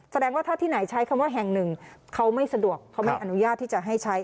แสดงว่าถ้าที่ไหนใช้คำว่าแห่งหนึ่งเขาไม่สะดวกเขาไม่อนุญาตที่จะให้ใช้